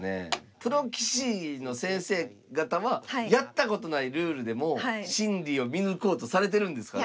プロ棋士の先生方はやったことないルールでも心理を見抜こうとされてるんですかね。